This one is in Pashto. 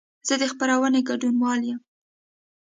زه د خپرونې ګډونوال یم.